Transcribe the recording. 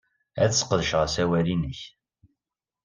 Ad sqedceɣ asawal-nnek.